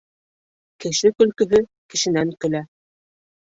Кеше көлкөһө кешенән көлә.